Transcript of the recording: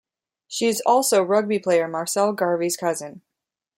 She is also rugby player Marcel Garvey's cousin.